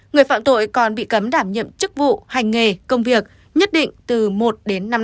người phạm tội còn bị cấm đảm nhiệm chức vụ hành nghề công việc nhất định từ một đến năm năm